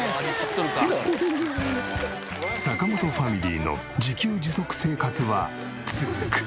坂本ファミリーの自給自足生活は続く。